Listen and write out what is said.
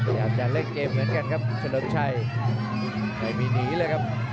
เลยเหมือนกันครับฉลน้ำชัยแต่มิดีเลยครับ